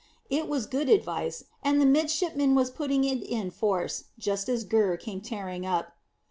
It was good advice, and the midshipman was putting it in force just as Gurr came tearing up.